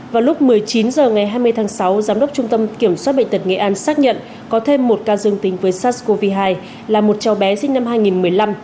vào lúc một mươi chín h ngày hai mươi tháng sáu giám đốc trung tâm kiểm soát bệnh tật nghệ an xác nhận có thêm một ca dương tính với sars cov hai là một cháu bé sinh năm hai nghìn một mươi năm